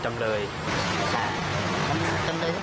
เคยไปฝึกค่ะ